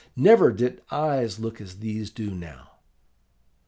Never did eyes look as these do now.